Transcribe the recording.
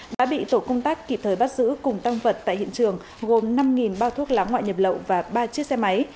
đã bị tổ công tác kịp thời bắt giữ cùng tăng vật tại hiện trường gồm năm bao thuốc lá ngoại nhập lậu và ba chiếc xe máy